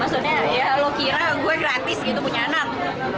maksudnya ya lo kira gue gratis gitu punya anak